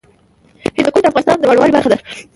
هندوکش د افغانستان د بڼوالۍ برخه ده.